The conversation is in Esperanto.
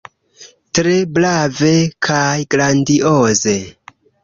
Tre brave kaj grandioze!